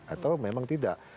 atau memang tidak